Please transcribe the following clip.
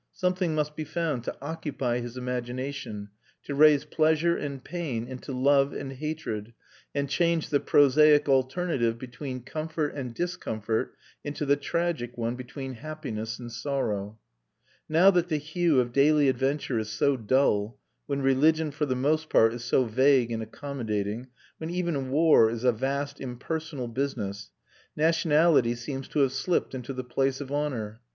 Something must be found to occupy his imagination, to raise pleasure and pain into love and hatred, and change the prosaic alternative between comfort and discomfort into the tragic one between happiness and sorrow. Now that the hue of daily adventure is so dull, when religion for the most part is so vague and accommodating, when even war is a vast impersonal business, nationality seems to have slipped into the place of honour.